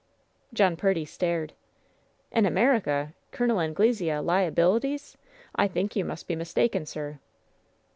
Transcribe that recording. John Purdy stared. "In America — Col. Anglesea — liabilities? I think you must be mistaken, sir."